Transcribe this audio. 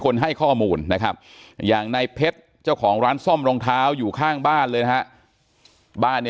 ให้ข้อมูลนะครับอย่างในเพชรเจ้าของร้านซ่อมรองเท้าอยู่ข้างบ้านเลยนะฮะบ้านเนี่ย